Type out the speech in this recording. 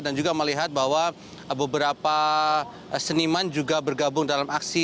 dan juga melihat bahwa beberapa seniman juga bergabung dalam aksi